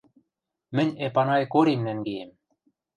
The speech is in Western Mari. Мӹнь Эпанай Корим нӓнгеем.